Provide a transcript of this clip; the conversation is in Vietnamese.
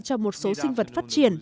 cho một số sinh vật phát triển